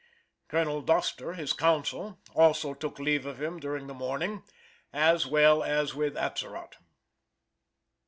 Colonel Doster, his counsel, also took leave of him during the morning, as well as with Atzerott.